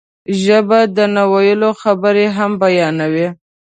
ژبه د نه ویلو خبرې هم بیانوي